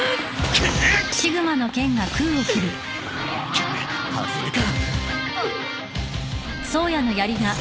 くっ外れか。